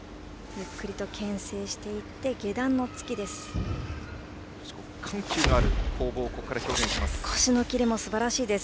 ゆっくりとけん制していって下段の突きです。